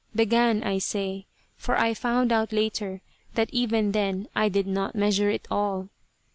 "Began," I say, for I found out later that even then I did not measure it all.